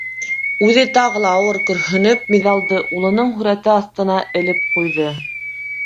Үҙе тағы ла ауыр көрһөнөп миҙалды улының һүрәте аҫтына элеп ҡуйҙы.